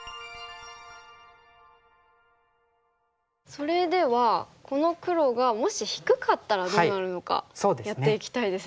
それではこの黒がもし低かったらどうなるのかやっていきたいですね。